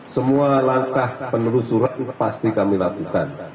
semua langkah penelusuran pasti kami lakukan